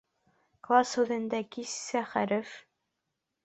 «Класс» һүҙендә кисә хәреф?